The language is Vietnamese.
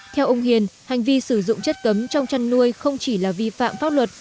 theo ông hiền hành vi sử dụng chất cấm trong chăn nuôi không chỉ là vi phạm pháp luật